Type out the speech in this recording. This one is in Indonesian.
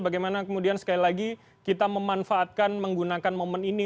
bagaimana kemudian sekali lagi kita memanfaatkan menggunakan momen ini